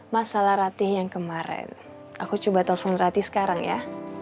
masalah ratih yang kemarin aku coba telepon ratih sekarang ya